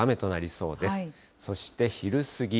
そして昼過ぎ。